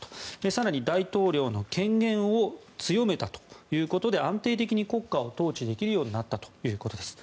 更に、大統領の権限を強めたということで安定的に国家を統治できるようになったということです。